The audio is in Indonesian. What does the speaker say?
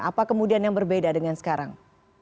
apa kemudian yang berbeda dengan sekarang